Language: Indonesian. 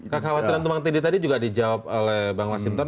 kak hwateran tumang tidik tadi juga dijawab oleh bang mas simpton